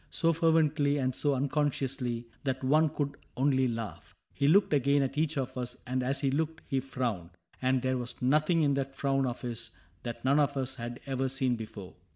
So fervently and so unconsciously, That one could only laugh. He looked again At each of us, and as he looked he frowned ; And there was something in that frown of his That none of us had ever seen before.